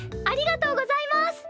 ありがとうございます！